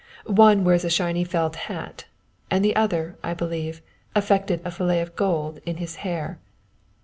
One wears a shiny felt hat, and the other, I believe, affected a fillet of gold in his hair.